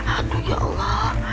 aduh ya allah